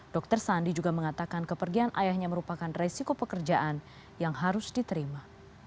dr sandi juga mengatakan kepergian ayahnya merupakan resiko pekerjaan yang harus diterima